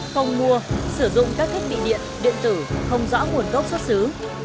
không mua sử dụng các thiết bị điện điện tử không rõ nguồn gốc xuất xứ